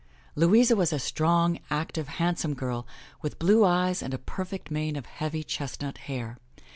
Louisa was a strong, active, handsome girl with blue eyes and a perfect mane of heavy chestnut hair.